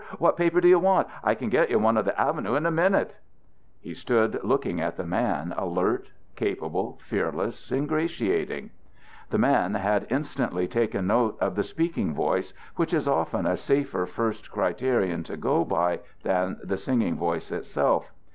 What paper do you want? I can get you one on the avenue in a minute." He stood looking up at the man, alert, capable, fearless, ingratiating. The man had instantly taken note of the speaking voice, which is often a safer first criterion to go by than the singing voice itself.